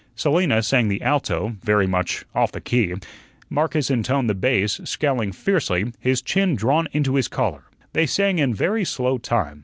Selina sang the "alto," very much off the key; Marcus intoned the bass, scowling fiercely, his chin drawn into his collar. They sang in very slow time.